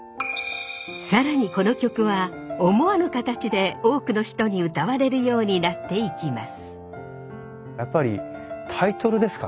更にこの曲は思わぬ形で多くの人に歌われるようになっていきます。